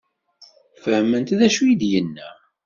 Fehment d acu i d-yenna?